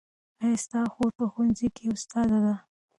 ایا ستا خور په ښوونځي کې استاده ده؟